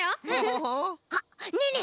あっねえねえ！